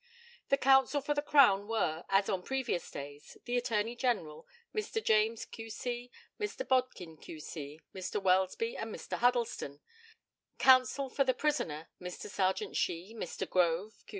The counsel for the Crown were, as on previous days, the Attorney General, Mr. James, Q.C., Mr. Bodkin, Q.C., Mr. Welsby, and Mr. Huddlestone. Counsel for the prisoner, Mr. Serjeant Shee, Mr. Grove, Q.C.